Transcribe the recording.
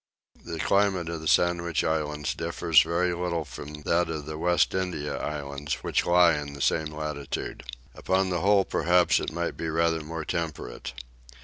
The climate of the Sandwich Islands differs very little from that of the West India Islands, which lie IN THE SAME LATITUDE. Upon the whole perhaps it may be rather more temperate.